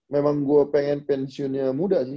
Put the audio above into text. memang gue pengen pensiunnya muda sih